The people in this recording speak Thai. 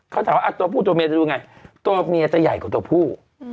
เขาถามว่าตัวผู้ตัวเมียจะดูไงตัวเมียจะใหญ่กว่าตัวผู้